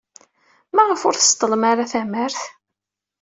Maɣef ur tseḍḍlem ara tamart?